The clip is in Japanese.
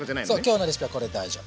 今日のレシピはこれで大丈夫。